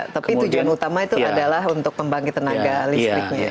tapi tujuan utama itu adalah untuk pembangkit tenaga listriknya